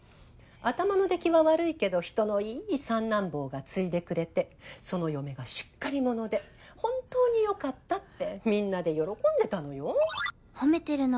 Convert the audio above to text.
頭のできは悪いけど人のいい三男坊が継いでくれてその嫁がしっかり者で本当によかったってみんなで喜んでたのよ。